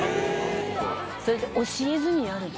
それって教えずにやるの？